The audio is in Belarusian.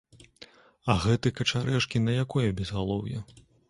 А гэты качарэжкі на якое безгалоўе?